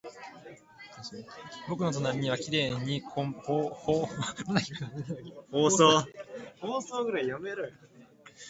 僕の隣には綺麗に包装された小包がある。昨日買ったプレゼントだ。